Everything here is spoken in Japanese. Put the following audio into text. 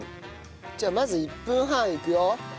じゃあまず１分半いくよ。